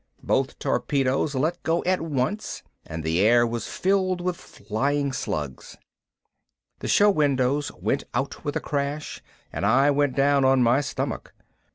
Both torpedoes let go at once and the air was filled with flying slugs. The show windows went out with a crash and I went down on my stomach.